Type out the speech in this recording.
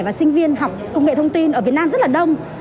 và sinh viên học công nghệ thông tin ở việt nam rất là đông